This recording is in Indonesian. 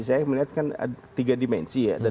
saya melihatkan tiga dimensi ya